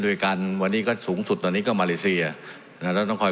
ด้วยกันวันนี้ก็สูงสุดตอนนี้ก็มาเลเซียแล้วต้องคอย